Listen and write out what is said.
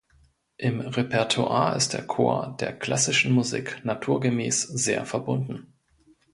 Im Repertoire ist der Chor der klassischen Musik naturgemäß sehr verbunden.